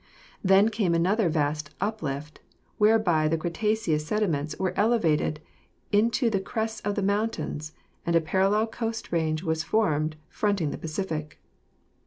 Then came another vast uplift, whereby the Cretaceous sediments were elevated into the crests of the mountains, and a parallel coast range was formed fronting the Pacific.